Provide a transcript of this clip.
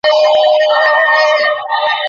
এদের নিজস্ব কোন মাঠ নেই।